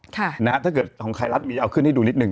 ถ้าเกิดของไทยรัฐมีเอาขึ้นให้ดูนิดนึ